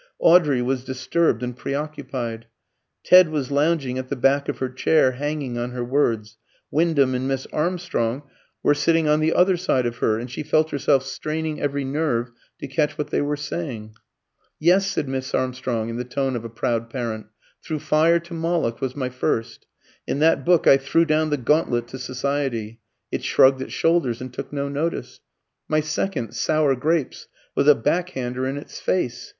Audrey was disturbed and preoccupied. Ted was lounging at the back of her chair, hanging on her words; Wyndham and Miss Armstrong were sitting on the other side of her, and she felt herself straining every nerve to catch what they were saying. "Yes," said Miss Armstrong in the tone of a proud parent, "'Through Fire to Moloch' was my first. In that book I threw down the gauntlet to Society. It shrugged its shoulders and took no notice. My second, 'Sour Grapes,' was a back hander in its face.